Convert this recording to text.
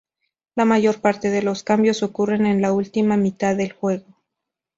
La mayor parte de los cambios ocurren en la última mitad del juego.